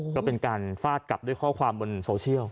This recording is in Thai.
ก็เป็นการฟาดกลับด้วยข้อความบนโซเชียล